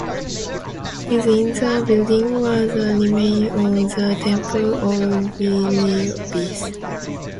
Within the building were the remains of the temple of Veiovis.